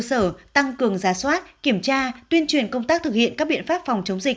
sở tăng cường giá soát kiểm tra tuyên truyền công tác thực hiện các biện pháp phòng chống dịch